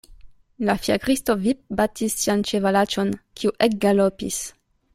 La fiakristo vipbatis sian ĉevalaĉon, kiu ekgalopis.